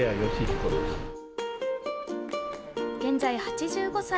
現在８５歳。